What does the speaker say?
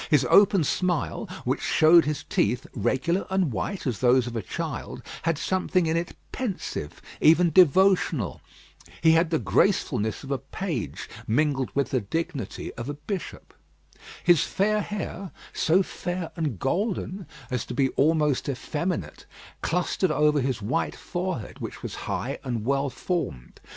His open smile, which showed his teeth, regular and white as those of a child, had something in it pensive, even devotional. He had the gracefulness of a page, mingled with the dignity of a bishop. His fair hair, so fair and golden as to be almost effeminate, clustered over his white forehead, which was high and well formed.